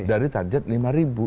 dari target lima ribu